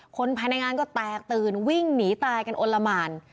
คนภายในงานก็แตกตื่นวิ่งหนีตายกันอลละหมาน